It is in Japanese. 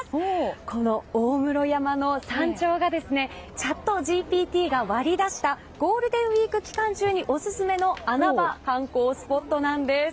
この大室山の山頂がチャットＧＰＴが割り出したゴールデンウィーク期間中にオススメの穴場観光スポットなんです。